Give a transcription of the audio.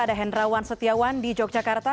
ada hendrawan setiawan di yogyakarta